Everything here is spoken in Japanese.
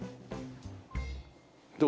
どう？